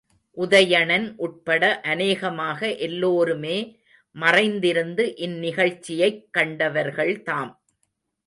உதயணன் உட்பட அநேகமாக எல்லோருமே மறைந்திருந்து இந் நிகழ்ச்சியைக் கண்டவர்கள்தாம்.